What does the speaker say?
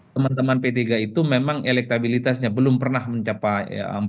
teman teman p tiga itu memang elektabilitasnya belum pernah mencapai